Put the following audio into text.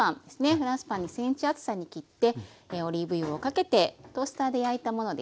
フランスパン２ｃｍ厚さに切ってオリーブ油をかけてトースターで焼いたものです。